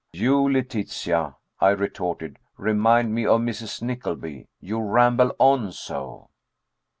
"You, Letitia," I retorted, "remind me of Mrs. Nickleby. You ramble on so."